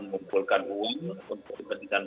mengumpulkan uang untuk pendidikan